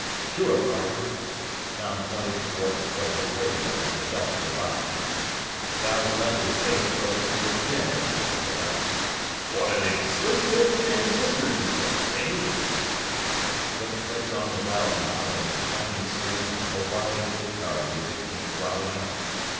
"Sure, pardner." Tom pointed toward a portable radio on a shelf nearby. Chow's leathery face broke into a grin as he picked it up. "One o' them slick lil transistor doodads, eh?" The cook flicked on the dial knob and the twangy strains of Hawaiian guitar music came throbbing out.